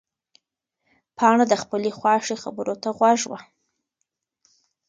پاڼه د خپلې خواښې خبرو ته غوږ وه.